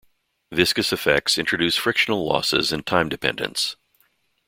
Viscous effects introduce frictional losses and time dependence.